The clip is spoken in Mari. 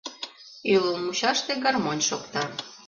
Ӱлыл мучаште гармонь шокта.